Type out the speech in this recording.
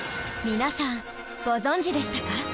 皆さんご存じでしたか？